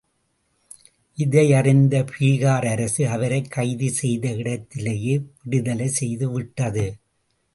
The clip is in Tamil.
இதையறிந்த பீகார் அரசு அவரைக் கைது செய்த இடத்திலேயே விடுதலை செய்து விட்டது.